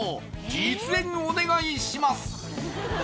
実演お願いします